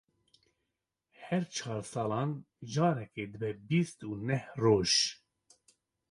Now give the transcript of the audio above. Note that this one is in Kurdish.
Her çar salan carekê dibe bîst û neh roj.